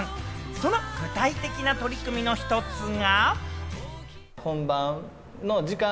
その具体的な取り組みの１つが。